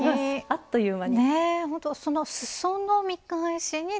あっという間に。